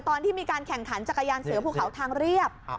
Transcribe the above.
ตอนที่มีการแข่งขันจักรยานเสือภูเขาทางเรียบ